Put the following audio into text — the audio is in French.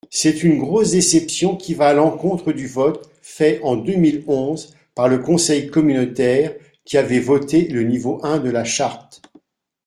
C’est une grosse déception qui va à l’encontre du vote fait en deux mille onze par le conseil communautaire qui avait voté le niveau un de la charte.